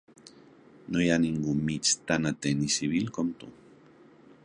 No hi ha ningú mig tan atent i civil com tu.